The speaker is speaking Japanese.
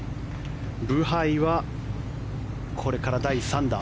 ブハイはこれから第３打。